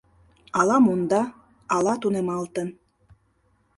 Ала монда, ала тунемалтын.